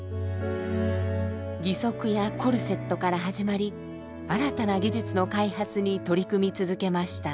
義足やコルセットから始まり新たな技術の開発に取り組み続けました。